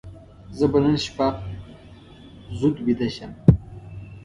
زه به نن شپه زود ویده شم.